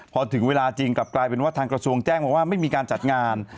พอถึงเวลาจริงกลับกลายเป็นว่าทางกระทรวงแจ้งมาว่าไม่มีการจัดงาน